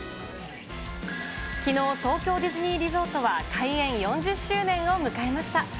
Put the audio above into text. きのう、東京ディズニーリゾートは開園４０周年を迎えました。